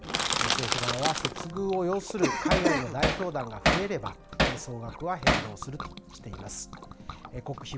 政府側は接遇を要する海外の代表団が増えれば、総額は変動するとしています。